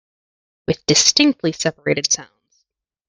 With distinctly separated sounds.